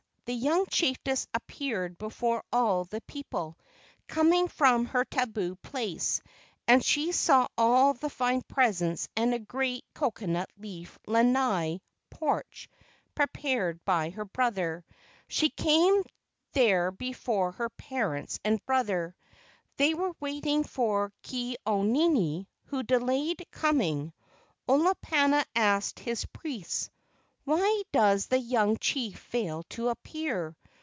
The young chiefess appeared before all the people, coming from her tabu place, and she saw all the fine presents, and a great coconut leaf lanai (porch) prepared by her brother. She came there before her parents and brother. They were waiting for Ke au nini, who delayed com¬ ing. Olopana asked his priests: "Why does the young chief fail to appear?